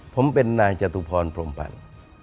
ผมเป็นนายจตุพรพรมพันธ์